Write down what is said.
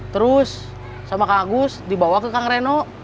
terus sama kak agus dibawa ke kang reno